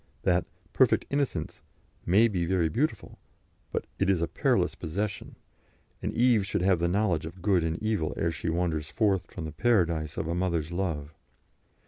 That "perfect innocence" may be very beautiful, but it is a perilous possession, and Eve should have the knowledge of good and evil ere she wanders forth from the paradise of a mother's love.